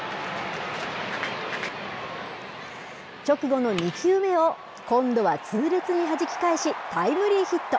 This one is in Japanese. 直後の２球目を、今度は痛烈にはじき返し、タイムリーヒット。